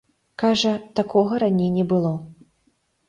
Кажа, такога раней не было.